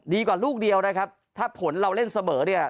ลูกเดียวนะครับถ้าผลเราเล่นเสมอเนี่ย